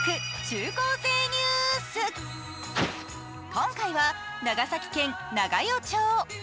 今回は長崎県長与町。